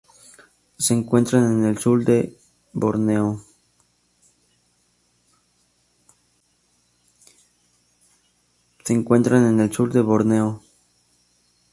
Se encuentran en el sur de Borneo.